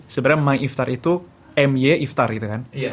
sebenernya maiftar itu myiftar gitu kan